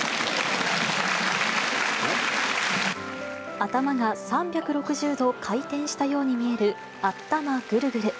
頭が３６０度回転したように見える、あったまぐるぐる。